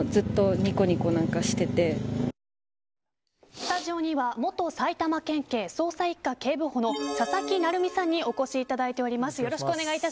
スタジオには元埼玉県警捜査一課警部補の佐々木成三さんにお越しいただいております。